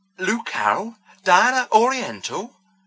"Lou Carroll dying at Oriental!"